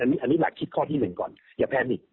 อันนี้หลักคิดข้อที่๑ก่อนอย่าแพนอีก